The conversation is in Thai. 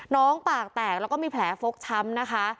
น้องปากแตกแล้วก็มีแผลฟกช้ำนะคะ